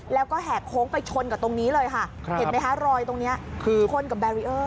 แล้วก็แหกโค้งไปชนกับตรงนี้เลยค่ะเห็นไหมคะรอยตรงนี้คือชนกับแบรีเออร์